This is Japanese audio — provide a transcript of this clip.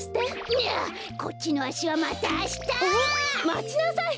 いやこっちのあしはまたあした！まちなさい！